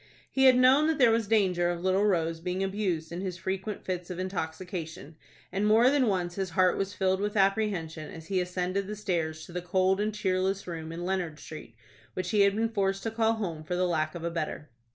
He had known that there was danger of little Rose being abused in his frequent fits of intoxication, and more than once his heart was filled with apprehension, as he ascended the stairs to the cold and cheerless room in Leonard Street, which he had been forced to call home for the lack of a better.